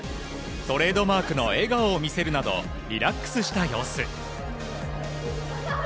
トレードマークの笑顔を見せるなど、リラックスした様子。